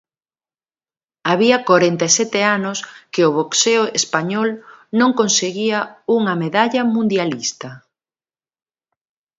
Había corenta e sete anos que o boxeo español non conseguía unha medalla mundialista.